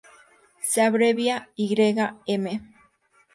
Se abrevia ym.